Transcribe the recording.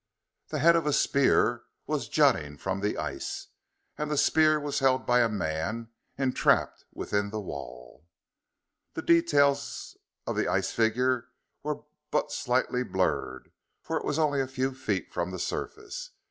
The head of a spear was jutting from the ice. And the spear was held by a man entrapped within the wall. The details of the ice held figure were but slightly blurred, for it was only a few feet from the surface.